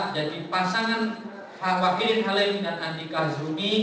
jadi pasangan wahidin halim dan andika hazrumi